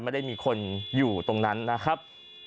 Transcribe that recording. ไม่ได้มีคนอยู่ตรงนั้นนะครับ